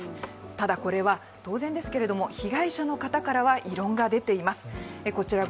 ただこれは当然ですけども被害者の方からは異論が出ています。